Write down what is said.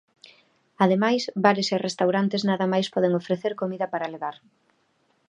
Ademais, bares e restaurantes nada máis poden ofrecer comida para levar.